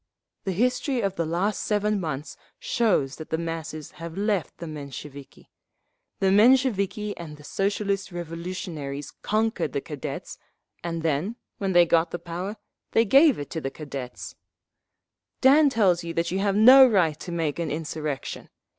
The history of the last seven months shows that the masses have left the Mensheviki. The Mensheviki and the Socialist Revolutionaries conquered the Cadets, and then when they got the power, they gave it to the Cadets…. "Dan tells you that you have no right to make an insurrection.